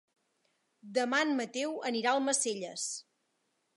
Demà en Mateu anirà a Almacelles.